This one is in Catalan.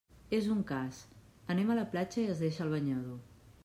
És un cas, anem a la platja i es deixa el banyador.